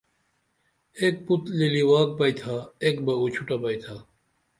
ایک پُت للیواک بیئتھا ایک بہ اوچھوٹہ بیئتھا